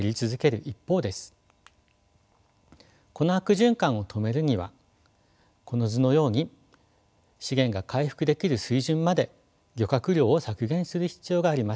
この悪循環を止めるにはこの図のように資源が回復できる水準まで漁獲量を削減する必要があります。